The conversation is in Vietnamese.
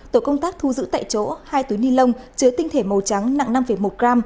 tổ công tác thu giữ tại chỗ hai túi ni lông chứa tinh thể màu trắng nặng năm một gram